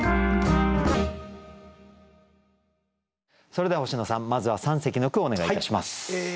それでは星野さんまずは三席の句をお願いいたします。